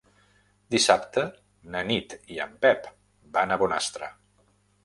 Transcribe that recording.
Dissabte na Nit i en Pep van a Bonastre.